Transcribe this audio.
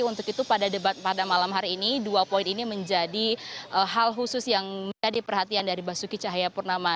untuk itu pada debat pada malam hari ini dua poin ini menjadi hal khusus yang menjadi perhatian dari basuki cahayapurnama